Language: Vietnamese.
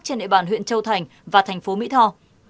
trên địa bàn huyện châu thành và thành phố mỹ tho